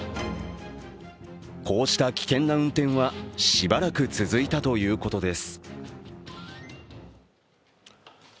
こうした危険な運転はしばらく続いたということです。